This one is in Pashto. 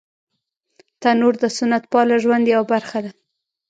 تنور د سنت پاله ژوند یوه برخه ده